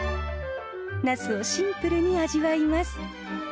ナスをシンプルに味わいます。